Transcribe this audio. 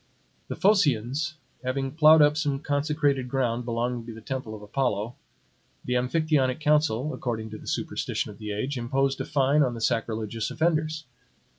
The Phocians having ploughed up some consecrated ground belonging to the temple of Apollo, the Amphictyonic council, according to the superstition of the age, imposed a fine on the sacrilegious offenders.